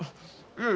うん！